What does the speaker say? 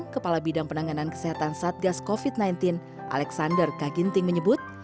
kepala bidang penanganan kesehatan satgas covid sembilan belas alexander kaginting menyebut